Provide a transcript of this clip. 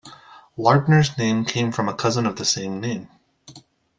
Lardner's name came from a cousin of the same name.